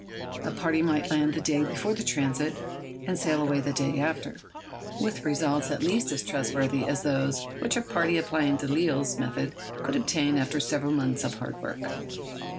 A party might land the day before the transit, and sail away the day after, with results at least as trustworthy as those which a party applying Delisle's method could obtain after several months of hard work.